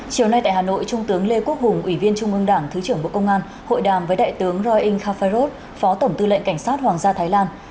chiều nay tại hà nội trung tướng lê quốc hùng ủy viên trung ương đảng thứ trưởng bộ công an hội đàm với đại tướng roing kharod phó tổng tư lệnh cảnh sát hoàng gia thái lan